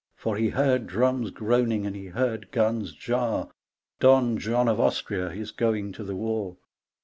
For he heard drums groaning and he heard guns jar, (Don John of Austria is going to the war.)